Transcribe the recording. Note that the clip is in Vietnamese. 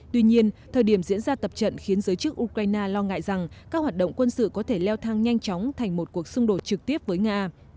tuy nhiên thời điểm diễn ra tập trận khiến giới chức ukraine lo ngại rằng các hoạt động quân sự có thể leo thang nhanh chóng thành một cuộc xung đột trực tiếp với nga